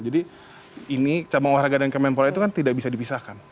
jadi ini cabang olahraga dan kemenpora itu kan tidak bisa dipisahkan